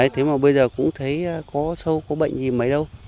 thế mà bây giờ cũng thấy có sâu có bệnh gì mấy đâu